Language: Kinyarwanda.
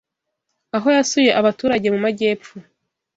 aho yasuye abaturage mu Majyepfo